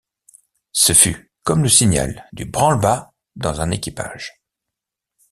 Ce fut comme le signal du branle-bas dans un équipage.